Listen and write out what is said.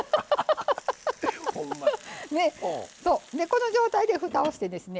この状態でふたをしてですね